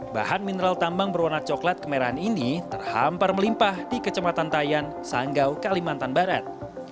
bahan mineral tambang berwarna coklat kemerahan ini terhampar melimpah di kecematan tayan sanggau kalimantan barat